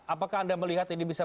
apakah anda melihat ini bisa